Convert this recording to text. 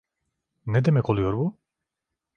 Ne demek oluyor bu?